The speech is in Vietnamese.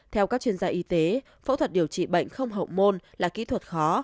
theo các chuyên gia y tế phẫu thuật điều trị bệnh không học môn là kỹ thuật khó